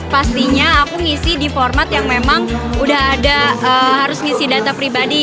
pastinya aku ngisi di format yang memang udah ada harus ngisi data pribadi